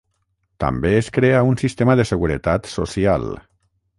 També es crea un sistema de seguretat social.